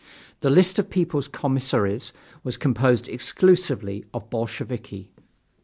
The list of Peoples' Commissaries was composed exclusively of Bolsheviki.